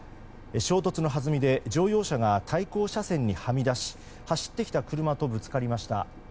衝突のはずみで乗用車が対向車線にはみ出し走ってきた車とぶつかりました。